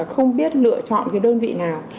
không biết lựa chọn đơn vị nào